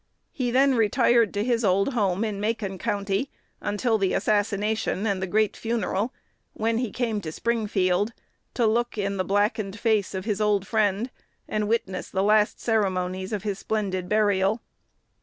He then retired to his old home in Macon County, until the assassination and the great funeral, when he came to Springfield to look in the blackened face of his old friend, and witness the last ceremonies of his splendid burial.